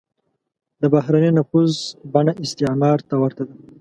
د بهرنی نفوذ بڼه استعمار ته ورته ده.